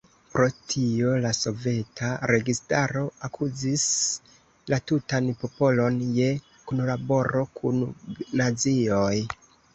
Pro tio la Soveta registaro akuzis la tutan popolon je kunlaboro kun Nazioj.